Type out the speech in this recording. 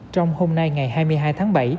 trong hôm nay ngày hai mươi hai tháng bảy